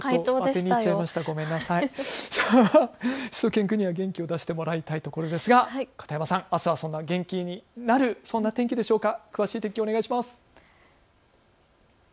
しゅと犬くんには元気を出してもらいたいところですが片山さん、あすは元気になる、そんな天気でしょうか。